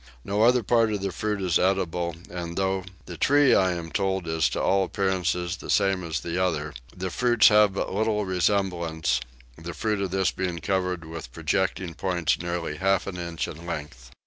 No other part of the fruit is eatable and, though the tree I am told is to all appearance the same as the other, the fruits have but little resemblance, the fruit of this being covered with projecting points nearly half an inch in length.